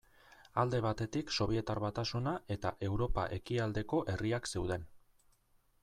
Alde batetik Sobietar Batasuna eta Europa ekialdeko herriak zeuden.